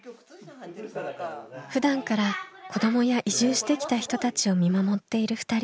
ふだんから子どもや移住してきた人たちを見守っている２人。